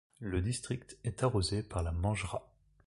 Le district est arrosé par la Manjra.